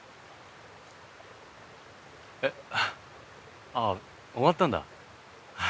えっあぁ終わったんだ。